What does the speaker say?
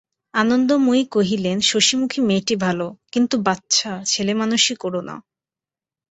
আনন্দময়ী কহিলেন, শশিমুখী মেয়েটি ভালো, কিন্তু বাছা, ছেলেমানুষি কোরো না।